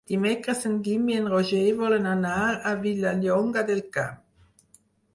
Dimecres en Guim i en Roger volen anar a Vilallonga del Camp.